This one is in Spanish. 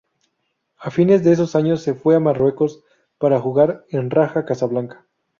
A fines de ese años se fue a Marruecos para jugar en Raja Casablanca.